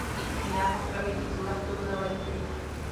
د استیناف محکمي د جوړښت نومونه ولیکئ؟